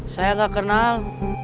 saya gak kenal